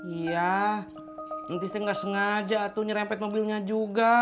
iya nanti saya nggak sengaja tuh nyerempet mobilnya juga